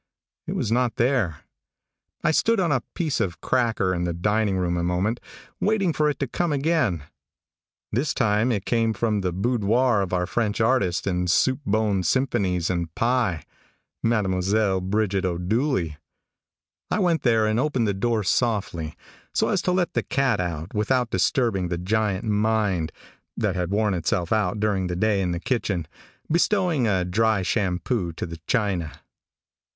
It was not there. I stood on a piece of cracker in the diningroom a moment, waiting for it to come again. This time it came from the boudoir of our French artist in soup bone symphonies and pie Mademoiselle Bridget O'Dooley. I went there and opened the door softly, so as to let the cat out without disturbing the giant mind that had worn itself out during the day in the kitchen, bestowing a dry shampoo to the china.